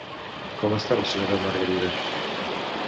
Com està la senyora Margarida?